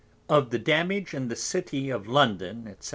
Of the Damage in the City of London, &c.